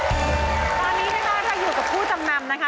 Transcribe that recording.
ตอนนี้นะคะเราอยู่กับผู้จำนำนะคะ